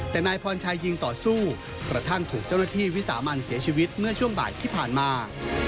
แต่นายพรชัยยิงต่อสู้กระทั่งถูกเจ้าหน้าที่วิสามันเสียชีวิตเมื่อช่วงบ่ายที่ผ่านมา